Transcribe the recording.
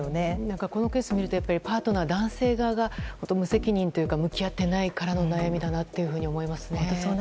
このケースを見るとパートナーの男性側が無責任というか向き合ってないからの悩みというふうに思いますね。